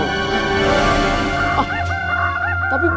itu ikut juga ke bawah meninggal